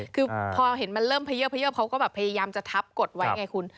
คือพอเห็นมันเริ่มเยิบเขาก็แบบพยายามจะทับกดไว้ไงคุณ